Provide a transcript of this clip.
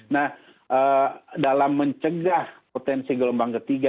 nah dalam mencegah potensi gelombang ketiga